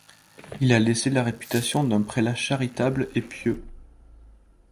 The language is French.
Il a laissé la réputation d'un prélat charitable et pieux.